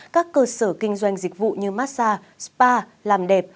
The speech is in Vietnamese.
các cơ sở kinh doanh dịch vụ như massage spa làm đẹp